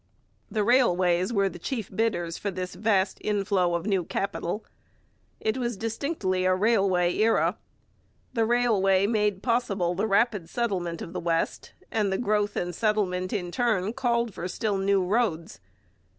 The railways were the chief bidders for this vast inflow of new capital. It was distinctly a railway era. The railway made possible the rapid settlement of the West, and the growth of settlement in turn called for still new roads.